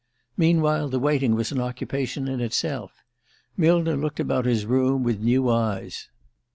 Meanwhile, the waiting was an occupation in itself. Millner looked about his room with new eyes.